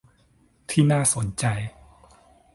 ที่น่าสนใจ